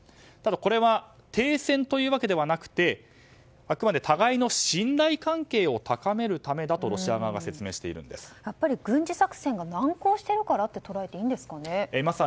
ただ、これは停戦というわけではなくあくまで互いの信頼関係を高めるためだとロシア側はやっぱり軍事作戦が難航しているからと捉えていいんですか？